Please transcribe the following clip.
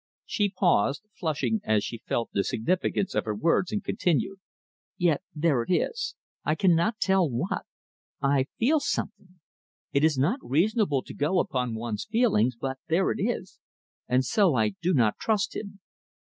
She paused, flushing as she felt the significance of her words, and continued: "Yet there is I cannot tell what. I feel something. It is not reasonable to go upon one's feelings; but there it is, and so I do not trust him."